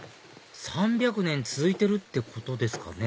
３００年続いてるってことですかね？